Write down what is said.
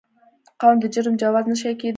قوم د جرم جواز نه شي کېدای.